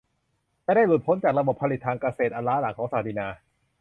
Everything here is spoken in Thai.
จะได้หลุดพ้นจากระบบผลิตทางการเกษตรอันล้าหลังของศักดินา